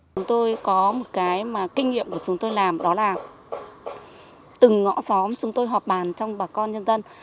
chúng tôi có một cái mà kinh nghiệm của chúng tôi làm đó là từng ngõ xóm chúng tôi họp bàn trong bà con nhân dân